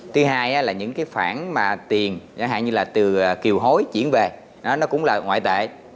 thứ hai là những cái khoản mà tiền giả hạn như là từ kiều hối chuyển về nó cũng là ngoại tệ